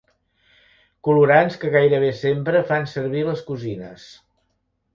Colorants que gairebé sempre fan servir les cosines.